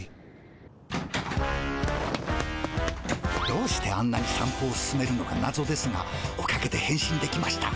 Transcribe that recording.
どうしてあんなにさん歩をすすめるのかなぞですがおかげでへん身できました。